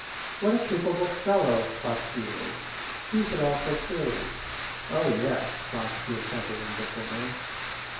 "What a capable fellow Sviazhsky is! Sees it all so clearly." "Oh, yes!" Vronsky assented indifferently.